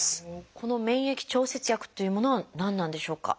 この「免疫調節薬」っていうものは何なんでしょうか？